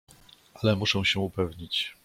"Ale muszę się upewnić."